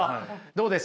どうです？